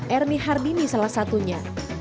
ernie hardini salah satunya